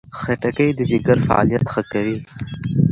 خټکی د ځیګر فعالیت ښه کوي.